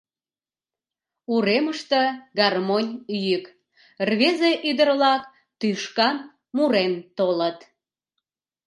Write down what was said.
Уремыште гармонь йӱк — рвезе, ӱдыр-влак тӱшкан мурен толыт.